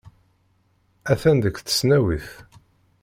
Atan deg tesnawit.